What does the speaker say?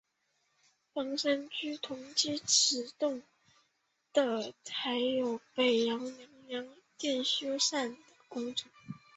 房山区同期启动的还有北窖娘娘庙修缮工程。